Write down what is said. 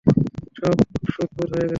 সব শোধবোধ হয়ে গেছে।